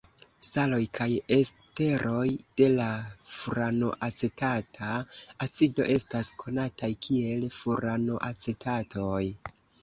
Saloj kaj esteroj de la furanoacetata acido estas konataj kiel furanoacetatoj.